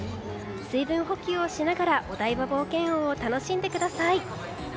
水分補給をしながらお台場冒険王を楽しんでください。